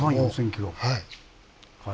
はい。